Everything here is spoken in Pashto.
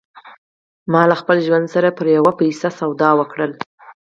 ما له خپل ژوند سره پر یوه پیسه سودا وکړه